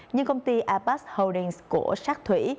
nhưng công ty apex holdings của sát thủy